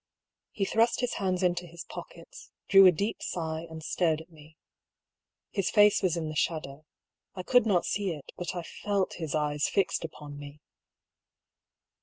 He thrust his hands into his pockets, drew a deep sigh, and stared at me. His face was in the shadow : I could not see it ; but Ifelt his eyes fixed upon me.